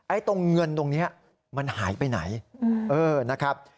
ตรงเงินตรงนี้มันหายไปไหนเออนะครับ